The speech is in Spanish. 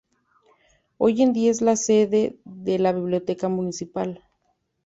Hoy en día es la sede de la Biblioteca Municipal.